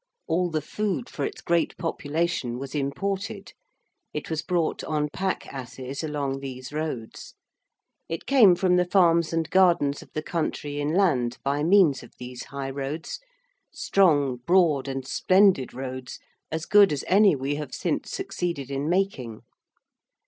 All the food for its great population was imported. It was brought on pack asses along these roads. It came from the farms and gardens of the country inland by means of these high roads, strong, broad, and splendid roads, as good as any we have since succeeded in making.